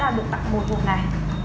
thì mua năm sẽ được tặng một hộp này